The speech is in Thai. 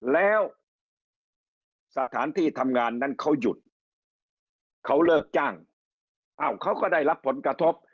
แล้วสถานที่ทำงานนั้นเขาหยุดเขาเลิกจ้างอ้าวเขาก็ได้รับผลกระทบ